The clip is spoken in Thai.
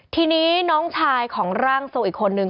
ทีนี้น้องชายของร่างทรงอีกคนนึง